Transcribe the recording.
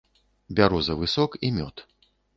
Бярозавы сок і мёд.